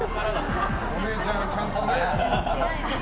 お姉ちゃんがちゃんとね。